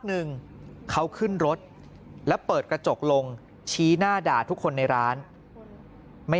หนึ่งเขาขึ้นรถแล้วเปิดกระจกลงชี้หน้าด่าทุกคนในร้านไม่